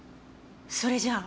それじゃあ。